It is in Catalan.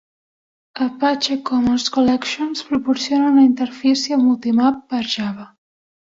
"Apache Commons Collections" proporciona una interfície MultiMap per Java.